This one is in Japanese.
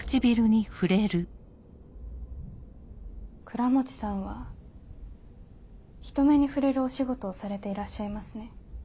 倉持さんは人目に触れるお仕事をされていらっしゃいますね。